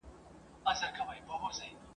نه تر منځ به د وګړو دښمني وای !.